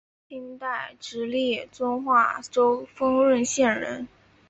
清代直隶遵化州丰润县人。